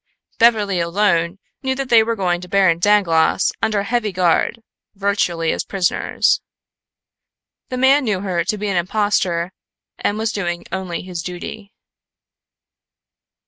Beverly alone knew that they were going to Baron Dangloss under heavy guard, virtually as prisoners. The man knew her to be an impostor and was doing only his duty.